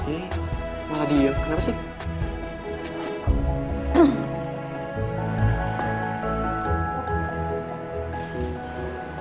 hei malah diem kenapa sih